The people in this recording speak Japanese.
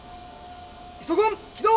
イソコン起動！